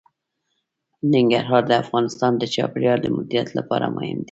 ننګرهار د افغانستان د چاپیریال د مدیریت لپاره مهم دي.